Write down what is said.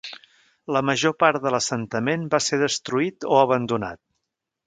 La major part de l'assentament va ser destruït o abandonat.